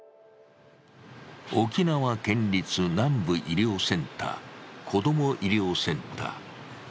沖縄県立南部医療センター・こども医療センター。